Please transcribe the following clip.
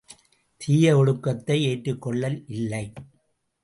தீயஒழுக்கத்தை ஏற்றுக்கொள்ளல் இல்லை!